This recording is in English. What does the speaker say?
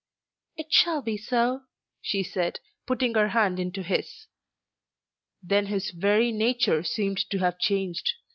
"It shall be so," she said, putting her hand into his. Then his very nature seemed to have changed.